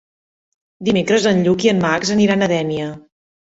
Dimecres en Lluc i en Max aniran a Dénia.